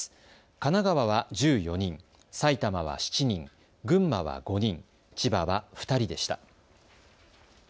神奈川は１４人、埼玉は７人、群馬は５人、千葉は２人でした。